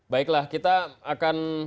baiklah kita akan